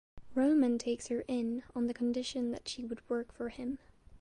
Roman takes her in on the condition that she would work for him.